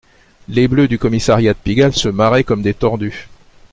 Les bleus du commissariat de Pigalle se marraient comme des tordus